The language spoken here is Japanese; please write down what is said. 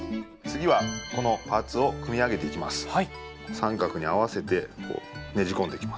三角に合わせてねじ込んでいきます。